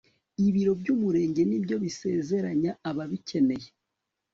ibiro by'umurenge ni byo bisezeranya ababikeneye